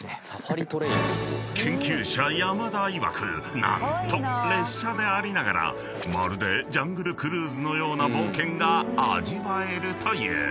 ［研究者山田いわく何と列車でありながらまるでジャングルクルーズのような冒険が味わえるという］